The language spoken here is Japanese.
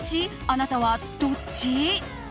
あなたはどっち？